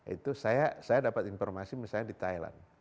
itu saya dapat informasi misalnya di thailand